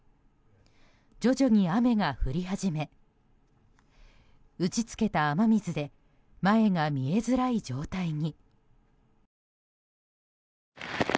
徐々に雨が降り始め打ち付けた雨水で前が見えづらい状態に。